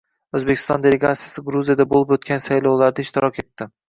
O‘zbekiston delegatsiyasi Gruziyada bo‘lib o‘tgan saylovlarda ishtirok etdi